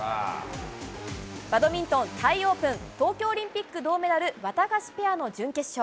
バドミントンタイオープン、東京オリンピック銅メダル、ワタガシペアの準決勝。